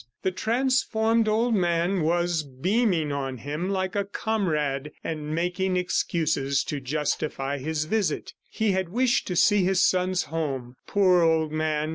The transformed old man was beaming on him like a comrade, and making excuses to justify his visit. He had wished to see his son's home. Poor old man!